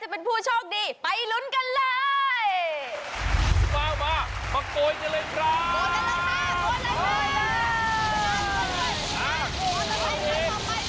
ผู้โชคดีได้แก่คุณมาโนธวัยอัมภี